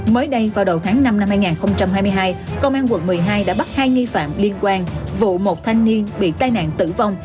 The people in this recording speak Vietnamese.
mới đây vào đầu tháng năm năm hai nghìn hai mươi hai công an quận một mươi hai đã bắt hai nghi phạm liên quan vụ một thanh niên bị tai nạn tử vong